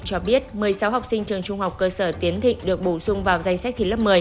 cho biết một mươi sáu học sinh trường trung học cơ sở tiến thịnh được bổ sung vào danh sách thi lớp một mươi